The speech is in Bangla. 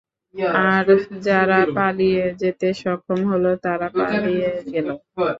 আর যারা পালিয়ে যেতে সক্ষম হল তারা পালিয়ে গেল।